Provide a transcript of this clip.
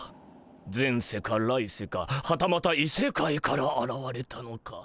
前世か来世かはたまた異世界からあらわれたのか。